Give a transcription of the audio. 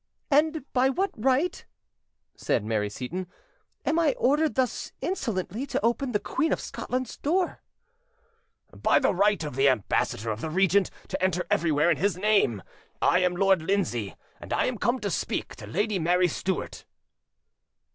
"And by what right," said Mary Seyton, "am I ordered thus insolently to open the Queen of Scotland's door?" "By the right of the ambassador of the regent to enter everywhere in his name. I am Lord Lindsay, and I am come to speak to Lady Mary Stuart."